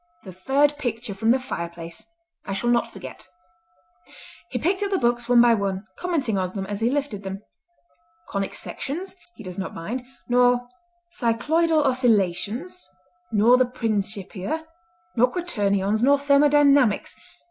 "The third picture from the fireplace; I shall not forget." He picked up the books one by one, commenting on them as he lifted them. "Conic Sections he does not mind, nor Cycloidal Oscillations, nor the Principia, nor Quaternions, nor Thermodynamics.